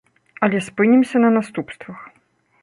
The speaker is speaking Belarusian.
Але спынімся на наступствах.